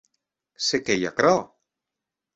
Se qué ei aquerò?